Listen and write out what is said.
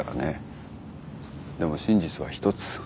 でも真実は一つ。